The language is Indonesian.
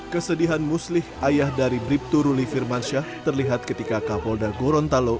kesedihan muslih ayah dari bribtu ruli firmansyah terlihat ketika kapolda gorontalo